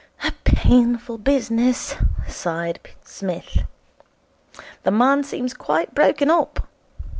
'A painful business,' sighed Psmith. 'The man seems quite broken up.